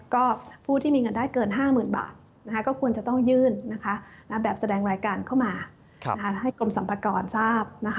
ก็ผู้ที่มีเงินได้เกิน๕๐๐๐บาทก็ควรจะต้องยื่นแบบแสดงรายการเข้ามาให้กรมสรรพากรทราบ